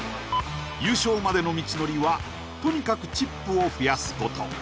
優勝までの道のりはとにかくチップを増やすこと